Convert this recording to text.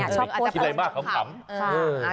อาจจะคิดอะไรมากเขาคำ